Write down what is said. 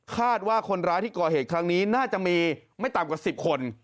คาดว่าคนร้ายที่ก่อเหตุครั้งนี้น่าจะมีไม่ต่ำกว่า๑๐คน